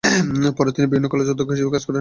পরে তিনি বিভিন্ন কলেজে অধ্যক্ষ হিসেবে কাজ করেন।